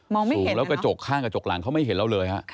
ไม่สูงแล้วกระจกข้างกระจกหลังเขาไม่เห็นเราเลยฮะ